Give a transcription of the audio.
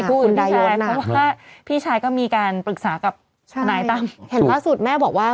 คุณอื่นพี่ชายเพราะว่าพี่ชายก็มีการปรึกษากับใช่ทนายตำเห็นว่าสูตรแม่บอกว่า